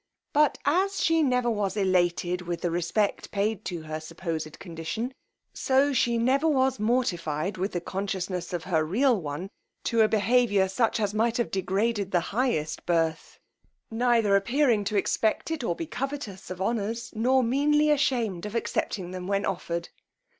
But as she never was elated with the respect paid to her supposed condition, so she never was mortified with the consciousness of her real one, to a behaviour such as might have degraded the highest birth; neither appearing to expect it, or be covetous of honours, nor meanly ashamed of accepting them when offered.